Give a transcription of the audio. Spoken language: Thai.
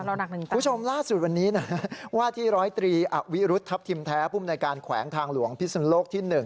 คุณผู้ชมล่าสุดวันนี้นะว่าที่ร้อยตรีอวิรุฑทัพทิมแท้ภูมิในการแขวงทางหลวงพิสุนโลกที่๑